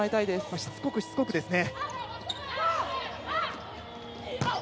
しつこく、しつこくですね。